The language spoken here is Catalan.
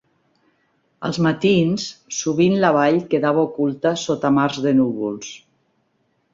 Als matins, sovint la vall quedava oculta sota mars de núvols